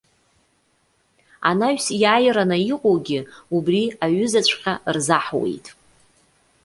Анаҩс иааираны иҟоугьы убри аҩызаҵәҟьа рзаҳуеит.